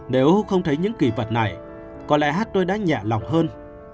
nếu không thấy những kỳ vật này có lẽ hát tôi đã nhẹ lòng hơn